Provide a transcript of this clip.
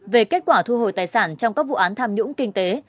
về kết quả thu hồi tài sản trong các vụ án tham nhũng kinh tế